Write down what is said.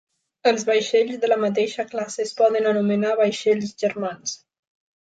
Els vaixells de la mateixa classe es poden anomenar vaixells germans.